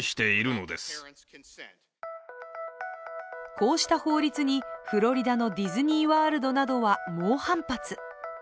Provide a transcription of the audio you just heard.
こうした法律に、フロリダのディズニーワールドなどは猛反発。